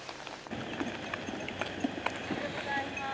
おはようございます。